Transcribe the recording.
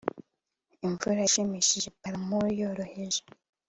imvura ishimishije paramour yoroheje